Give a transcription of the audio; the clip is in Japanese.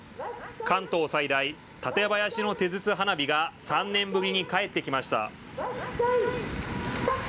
関東最大、館林の手筒花火が３年ぶりに帰ってきました。